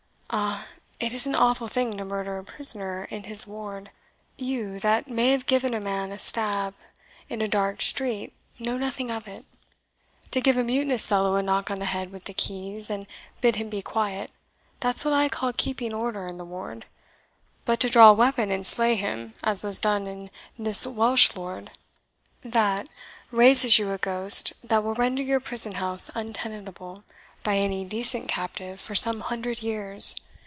Ah, it is an awful thing to murder a prisoner in his ward! you that may have given a man a stab in a dark street know nothing of it. To give a mutinous fellow a knock on the head with the keys, and bid him be quiet, that's what I call keeping order in the ward; but to draw weapon and slay him, as was done to this Welsh lord, THAT raises you a ghost that will render your prison house untenantable by any decent captive for some hundred years.